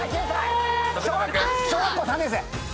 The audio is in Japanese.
小学校３年生。